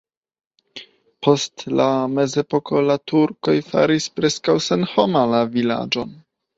Post la mezepoko la turkoj faris preskaŭ senhoma la vilaĝon.